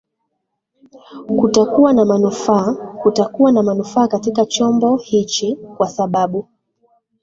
kutakuwa na manufaa kutakuwa na manufaa katika chombo hichi kwa sababu